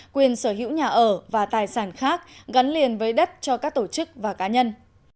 quyền sở hữu nhà ở và tài sản khác gắn liền với đất cho các tổ chức và cá nhân